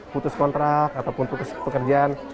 putus kontrak ataupun putus pekerjaan